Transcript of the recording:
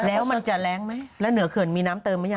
แล้วมันจะแรงไหมแล้วเหนือเขื่อนมีน้ำเติมไหมยัง